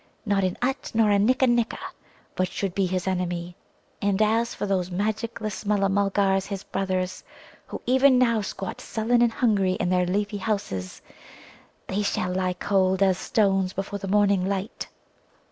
Not an Utt nor a Nikka nikka but should be his enemy, and as for those magicless Mulla mulgars his brothers, who even now squat sullen and hungry in their leafy houses, they shall lie cold as stones before the morning light."